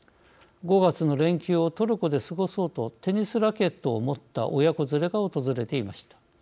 ５月の連休をトルコで過ごそうとテニスラケットを持った親子連れが訪れていました。